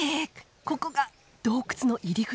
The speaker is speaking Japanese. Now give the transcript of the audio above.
ここが洞窟の入り口？